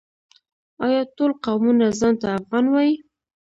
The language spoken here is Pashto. آیا ټول قومونه ځان ته افغان وايي؟